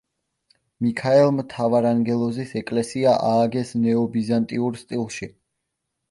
მიქაელ მთავარანგელოზის ეკლესია ააგეს ნეობიზანტიურ სტილში.